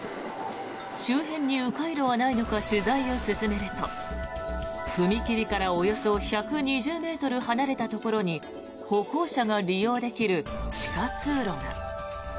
周辺に迂回路はないのか取材を進めると踏切からおよそ１２０ｍ離れたところに歩行者が利用できる地下通路が。